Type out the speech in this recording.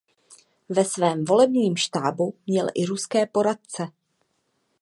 Ve svém volebním štábu měl i ruské poradce.